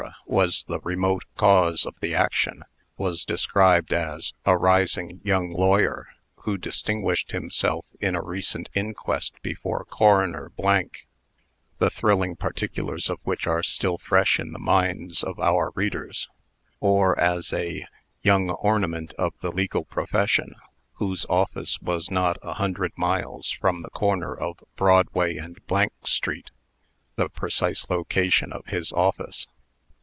was the "remote cause of the action," was described as "a rising young lawyer, who distinguished himself in a recent inquest before Coroner , the thrilling particulars of which are still fresh in the minds of our readers;" or as a "young ornament of the legal profession, whose office was not a hundred miles from the corner of Broadway and street" (the precise location of his office).